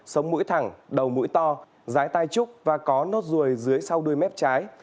sống mũi thẳng đầu mũi to giái tai trúc và có nốt ruồi dưới sau đuôi mép trái